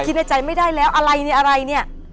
คิดในใจไม่ได้แล้วอะไรเนี่ยอะไรเนี่ย